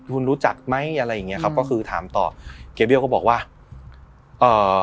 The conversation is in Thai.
คุณรู้จักไหมอะไรอย่างเงี้ครับก็คือถามต่อเกียร์เบี้ยก็บอกว่าเอ่อ